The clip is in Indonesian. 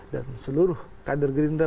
dan seluruh kader gerindra